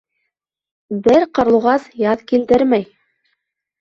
Бер ҡарлуғас яҙ килтермәй.